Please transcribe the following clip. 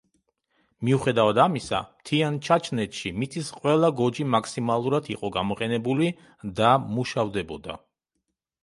მიუხედავად ამისა, მთიან ჩაჩნეთში მიწის ყველა გოჯი მაქსიმალურად იყო გამოყენებული და მუშავდებოდა.